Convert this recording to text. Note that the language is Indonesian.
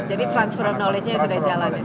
jadi transfer knowledge nya sudah jalan